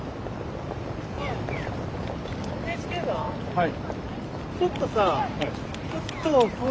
はい。